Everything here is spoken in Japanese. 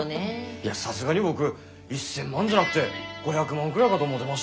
いやさすがに僕１，０００万じゃなくて５００万くらいかと思ってましたよ。